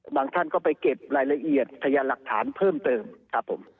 บางท่านก็ไปเก็บรายละเอียดพยายามหลักฐานเพิ่มเติม